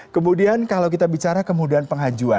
kemudian kalau kita bicara kemudahan pengajuan